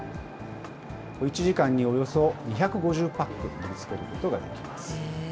１時間におよそ２５０パック盛りつけることができます。